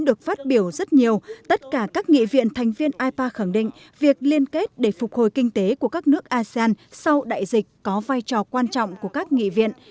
các phát biểu rất nhiều tất cả các nghị viện thành viên ipa khẳng định việc liên kết để phục hồi kinh tế của các nước asean sau đại dịch có vai trò quan trọng của các nghị viện